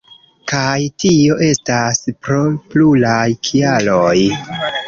Kaj tio estas pro pluraj kialoj.